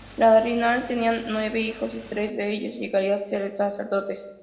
Los Rinaldi tenían nueve hijos y tres de ellos llegarían a ser sacerdotes.